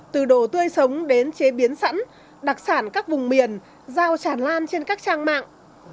từ đồ tươi sống đến chế biến sẵn đặc sản các vùng miền giao tràn lan trên các trang mạng